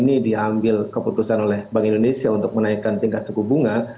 ini diambil keputusan oleh bank indonesia untuk menaikkan tingkat suku bunga